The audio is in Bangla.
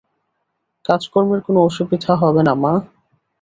কাজকর্মের কোনো অসুবিধা হবে না, মা।